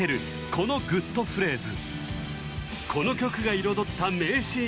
このグッとフレーズ